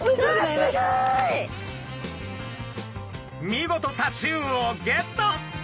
見事タチウオをゲット！